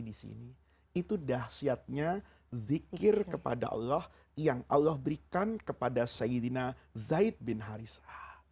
disini itu dahsyatnya zikir kepada allah yang allah berikan kepada sayyidina zaid bin harith